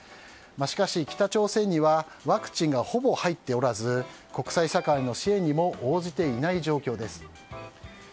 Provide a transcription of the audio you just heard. しかし、北朝鮮にはワクチンがほぼ入っておらず国際社会の支援にも応じていない状況です。